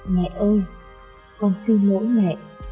mẹ ơi con xin lỗi mẹ